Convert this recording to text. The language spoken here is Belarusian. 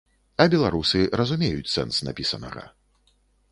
А беларусы разумеюць сэнс напісанага.